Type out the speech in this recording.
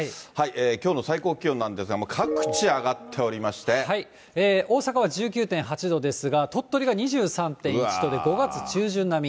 きょうの最高気温なんですが、も大阪は１９．８度ですが、鳥取が２３．１度で、５月中旬並み。